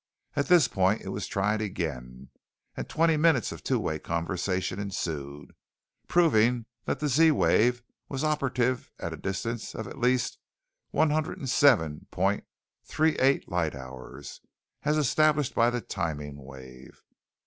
At this point it was tried again, and twenty minutes of two way conversation ensued, proving that the Z wave was operative at a distance of at least one hundred and seven point three eight light hours, as established by the timing wave.